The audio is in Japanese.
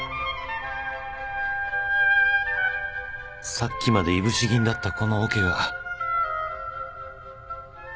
さっきまでいぶし銀だったこのオケが